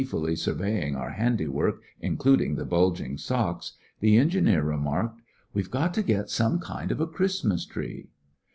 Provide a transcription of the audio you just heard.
As we all stood about, gleefully surveying our handiwork, including the bulging socks, the engineer remarked : "We Ve got to get some kind of a Christ mas tree."